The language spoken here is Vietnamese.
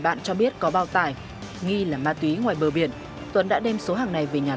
phát hiện gần ba trăm linh kg ma túy cocaine trôi giạt vào bờ biển